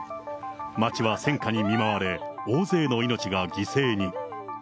街は戦火に見舞われ、大勢の命が犠牲に。